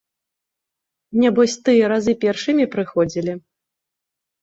Нябось тыя разы першымі прыходзілі.